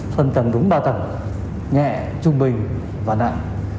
phân tầng đúng ba tầng nhẹ trung bình và nặng